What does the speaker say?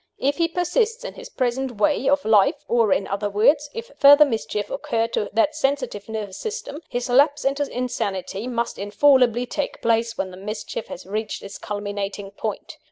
If he persist in his present way of life or, in other words, if further mischief occur to that sensitive nervous system his lapse into insanity must infallibly take place when the mischief has reached its culminating point.